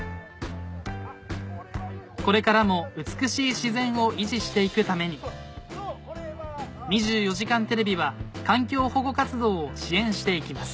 これからも美しい自然を維持していくために『２４時間テレビ』は環境保護活動を支援していきます